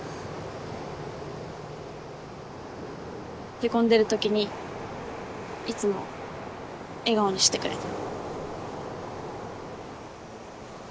へこんでるときにいつも笑顔にしてくれた。